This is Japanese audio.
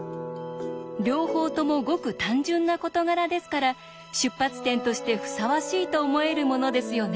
両方ともごく単純な事柄ですから出発点としてふさわしいと思えるものですよね。